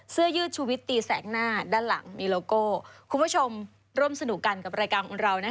เสื้อยืดชุวิตตีแสดหน้า